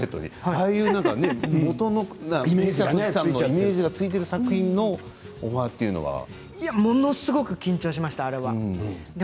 もとのイメージがついている作品のオファーというのはあれはものすごく緊張しました。